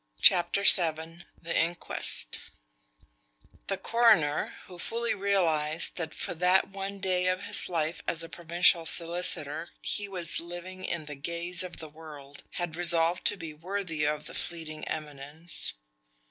CHAPTER VII THE INQUEST The coroner, who fully realized that for that one day of his life as a provincial solicitor he was living in the gaze of the world, had resolved to be worthy of the fleeting eminence.